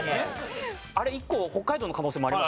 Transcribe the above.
あれ１個北海道の可能性もあります？